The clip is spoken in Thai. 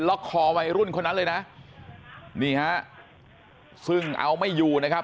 คอวัยรุ่นคนนั้นเลยนะนี่ฮะซึ่งเอาไม่อยู่นะครับ